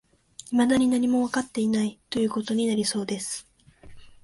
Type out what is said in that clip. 未だに何もわかっていない、という事になりそうです